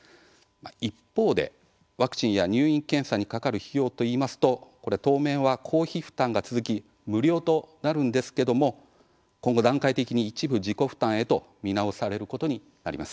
一方でワクチンや入院、検査にかかる費用といいますと当面は公費負担が続き無料となるんですけども今後、段階的に一部自己負担へと見直されることになります。